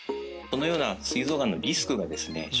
このようなすい臓がんのリスクがですね